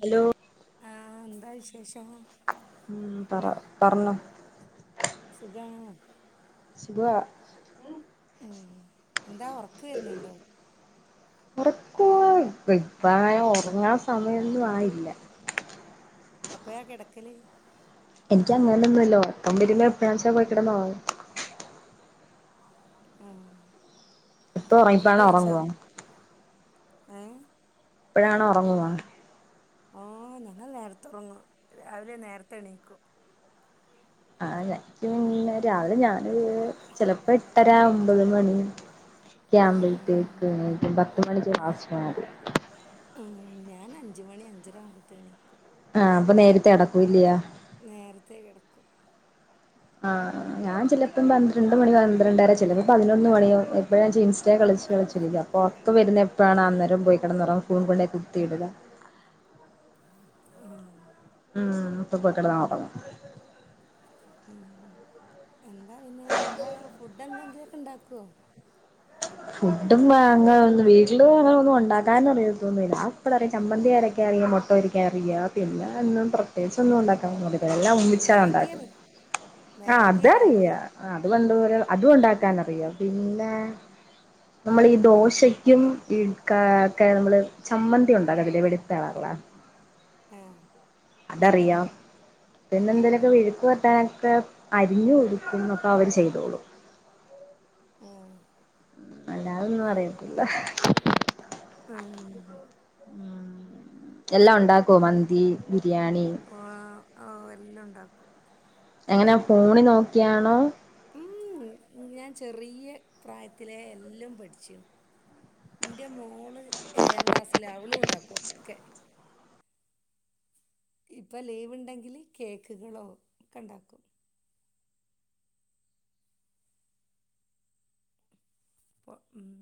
hello ആഹ് എന്താ വിശേഷം ഉം പറ പറഞ്ഞോ സുഖാണോ സുഖവാ ഉം എന്താ ഒറക്ക് വരണണ്ടോ ഉറക്ക ഇപ്പ [unintelligible] ഉറങ്ങാൻ സമയൊന്നും ആയില്ല എപ്പഴാ കിടക്കല് എനിക്ക് അങ്ങനെ ഒന്നുമില്ലാ ഒറക്കം വരുമ്പോ എപ്പഴാ വെച്ചാ പോയിക്കെടന്നൊറ ആഹ് ഇപ്പ ഉറങ്ങിപ്പ ഫുഡ് [unintelligible] കഴിച്ചോ ഒറങ്ങുവോ ഏഹ് ഇപ്പഴാണോ ഒറങ്ങുവാ ഓ ഞങ്ങൾ നേരത്തെ ഒറങ്ങും രാവിലെ നേരത്തെ എണീക്കും ആഹ് എനിക്ക് പിന്നെ രാവിലെ ഞാന് ചെലപ്പോ എട്ടരാ അമ്പത് മണി ക്യാമ്പി ഉം [unintelligible] പത്ത് മണിക്ക് ആഹ് ക്ലാസ്സിന് പോകും ഉം ഞാൻ അഞ്ച് മണി അഞ്ചര ആകുമ്പത്തേന് എണീക്കും ആഹ് അപ്പൊ നേരത്തെ കെടക്കും അല്ലിയോ നേരത്തേ കിടക്കും ആഹ് ഞാൻ ചെലപ്പോ പന്ത്രണ്ട് മണി പന്ത്രണ്ടര ചിലപ്പോ പതിനൊന്ന് മണിയാവും ഇപ്പഴും ഇൻസ്റ്റേ കളച്ച് കളിച്ച് കളിച്ചിരിക്കും അപ്പോ ഉറക്കം വരുന്ന എപ്പഴാണ് അന്നേരം പോയി കിടക്കും ഫോൺ കൊണ്ടുപോയി കുത്തിയിടുക ആഹ് ഉം അപ്പൊ പോയിക്കെടന്നൊറങ്ങും ഉം എന്താ പിന്നെ എന്താ ഫുഡ് എന്തെങ്കിലുംക്കെ ഉണ്ടാക്കുവോ ഫുഡും അങ്ങനെ ഒന്നും വീട്ടില് അങ്ങനെ ഒന്നും ഒണ്ടാക്കാൻ ഒന്നും അറിയത്തൊന്നുല്ല ഞാൻ എപ്പഴും ഒരു ചമ്മന്തിയര ക്കറിയാ മുട്ട പൊരിക്കാൻ അറിയാ പിന്നെ ഒന്നും പ്രത്യേകിച്ച് ഒന്നും ഒണ്ടാക്കാൻ ഒന്നും അയായത് എല്ലാം ഉമ്മിച്ചാണ് മാഗി അറി ഉണ്ടാക്കുന്നത് ആ മാഗി അതറിയ അറിയൂലേ ആ അത് പണ്ട് മുതലെ അതു ഒണ്ടാക്കാനറിയോ പിന്നെ നമ്മളീ ദോശയെ ക്കും ഇഡ് ക ക നമ്മള് ചമ്മന്തി ഒണ്ടാക്കത്തില്ലെ വെളുത്ത കളറില് ആഹ് അതറിയാം പിന്നെ എന്തേലുമൊക്കെ ഉം വിഴുക്ക് [unintelligible] ക്കെ അരിഞ്ഞു കൊടുക്കുന്നൊക്കെ അവൻ ചെയ്തോളും ഉം അല്ലാതൊന്നും അറിയത്തില്ല [unintelligible] ആഹ് ഉം എല്ലാം ഒണ്ടാക്കോ മന്തി ബിരിയാണി ആഹ് എല്ലാം ഉണ്ടാക്കും എങ്ങനെയ ഫോണി നോക്കിയാണോ ഉം ഞാൻ ചെറിയ പ്രായത്തിലെ എല്ലാം പഠിച്ചു ഇൻ്റെ മോള് ഏഴാം ക്ലാസ്സിലാ അവളും ഉണ്ടാക്കും ഒക്കെ ഇപ്പൊ ലീവ് ഉണ്ടെങ്കില് കേക്കുകളോ ഒക്കെ ഉണ്ടാക്കും ഉം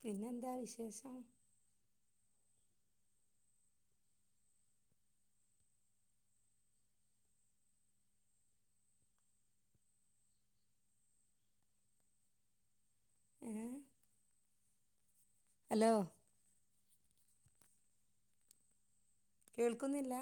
പിന്നെന്താ വിശേഷം ഏ ഹലോ കേൾക്കുന്നില്ലാ